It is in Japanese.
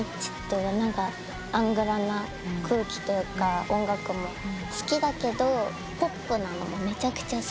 アングラな空気とか音楽も好きだけどポップなのもめちゃくちゃ好きで。